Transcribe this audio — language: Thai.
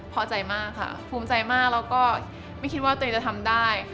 พอใจมากค่ะภูมิใจมากแล้วก็ไม่คิดว่าตัวเองจะทำได้